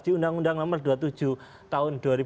di undang undang nomor dua puluh tujuh tahun dua ribu dua